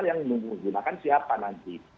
yang menggunakan siapa nanti